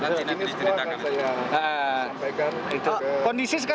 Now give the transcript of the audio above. nanti nanti ceritakan